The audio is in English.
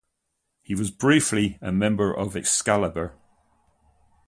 He was briefly a member of Excalibur.